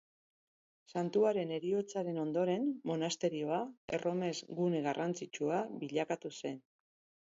Santuaren heriotzaren ondoren monasterioa erromes-gune garrantzitsua bilakatu zen.